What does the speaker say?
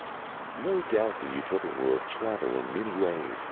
No doubt the Utopian will travel in many ways.